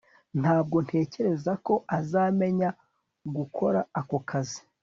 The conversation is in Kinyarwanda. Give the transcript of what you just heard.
Ntabwo ntekereza ko azamenya gukora ako kazi